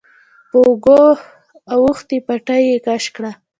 په اوږو اوښتې پټۍ يې کش کړه.